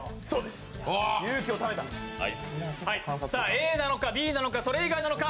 ＡなのかＢなのか、それ以外なのか。